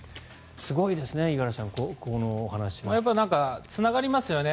すごいですね、五十嵐さんこのお話は。つながりますよね。